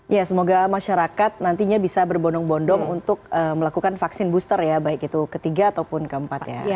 ya semoga masyarakat nantinya bisa berbondong bondong untuk melakukan vaksin booster ya baik itu ketiga ataupun keempat ya